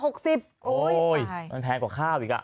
โอ้โหมันแพงกว่าข้าวอีกอ่ะ